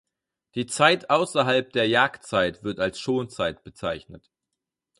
Die Zeit außerhalb der Jagdzeit wird als Schonzeit bezeichnet.